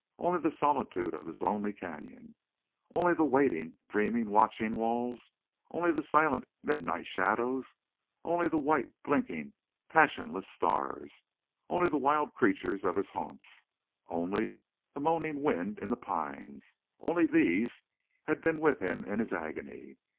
Only the solitude of his lonely canyon, only the waiting, dreaming, watching walls, only the silent midnight shadows, only the white, blinking, passionless stars, only the wild creatures of his haunts, only the moaning wind in the pines—only these had been with him in his agony.